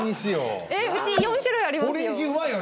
うち４種類ありますよ。